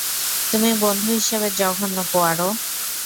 তুমি বন্ধু হিসেবে জঘন্য, পোয়ারো!